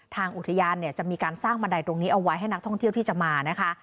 ทางอุทยานเนี่ยจะมีการสร้างบันไดตรงนี้เอาไว้ให้นักท่องเที่ยวที่จะมานะคะ